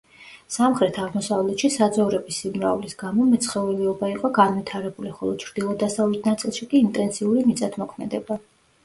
სამხრეთ-აღმოსავლეთში საძოვრების სიმრავლის გამო მეცხოველეობა იყო განვითარებული, ხოლო ჩრდილო-დასავლეთ ნაწილში კი ინტენსიური მიწათმოქმედება.